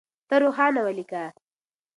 ته روښانه وليکه.